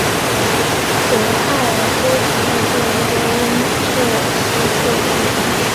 俄亥俄州仅有这一个温彻斯特镇区。